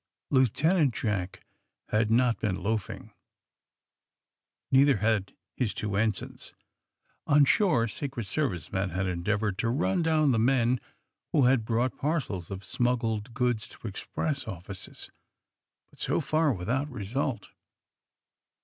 Lieutenant Jack had not been loafing. Neither had his two ensigns. On shore Secret Service men had endeavored to 'run down" the men 32 THE SUBMAIMNE BOYS who had brougM parcels of smnggled goods to express offices, but so far without result.